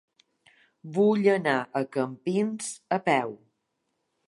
Vull anar a Campins a peu.